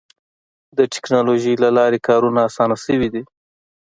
د ټکنالوجۍ له لارې کارونه اسانه شوي دي.